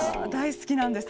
好きなんです。